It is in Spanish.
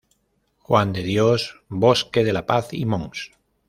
Juan de Dios Bosque de La Paz y Mons.